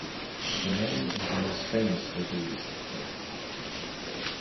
The name is the most famous for these of Cook.